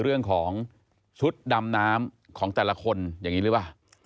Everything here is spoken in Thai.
เรื่องของชุดดำน้ำของแต่ละคนอย่างนี้หรือเปล่า